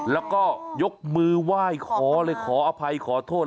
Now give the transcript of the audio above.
แล้วก็ยกมือไหว้ขอเลยขออภัยขอโทษ